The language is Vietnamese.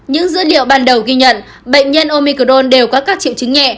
những dữ liệu ban đầu ghi nhận bệnh nhân omicrone đều có các triệu chứng nhẹ